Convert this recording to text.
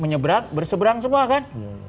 menyebrang bersebrang semua kan